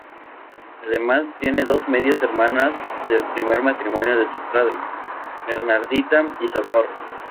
Además tiene dos medias hermanas del primer matrimonio de su padre, Bernardita y Socorro.